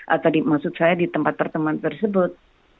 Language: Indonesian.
atau maksud saya di tempat terteman tersebut